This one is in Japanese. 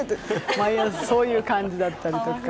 毎朝そういう感じだったりとか。